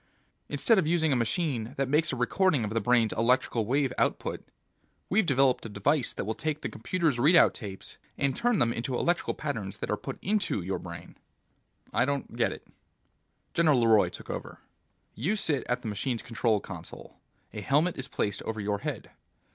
Instead of using a machine that makes a recording of the brain's electrical wave output, we've developed a device that will take the computer's readout tapes, and turn them into electrical patterns that are put into your brain!" "I don't get it." General LeRoy took over. "You sit at the machine's control console. A helmet is placed over your head.